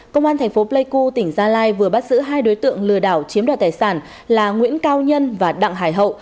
công an thành phố pleiku tỉnh gia lai vừa bắt giữ hai đối tượng lừa đảo chiếm đoạt tài sản là nguyễn cao nhân và đặng hải hậu